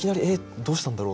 どうしたんだろう？